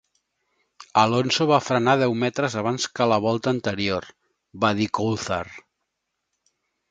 "Alonso va frenar deu metres abans que la volta anterior", va dir Coulthard.